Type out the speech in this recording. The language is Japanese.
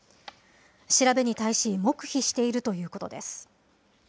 調べに対し、黙秘しているということです。